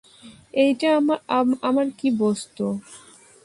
এইটা আমার কী বস্তু?